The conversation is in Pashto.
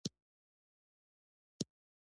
آیا د سترګو درملنه کیږي؟